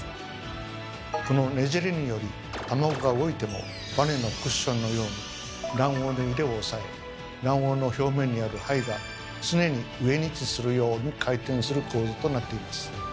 このねじれにより卵が動いてもバネのクッションのように卵黄の揺れを抑え卵黄の表面にある胚が常に上に位置するように回転する構造となっています。